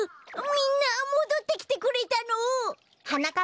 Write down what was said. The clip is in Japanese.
みんなもどってきてくれたの？はなかっ